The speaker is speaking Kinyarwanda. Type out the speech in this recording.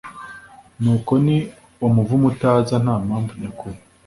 ni ko n umuvumo utaza nta mpamvu nyakuri